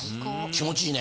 気持ちいいね。